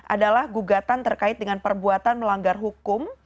adalah gugatan terkait dengan perbuatan melanggar hukum